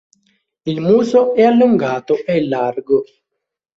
Il muso è allungato e largo.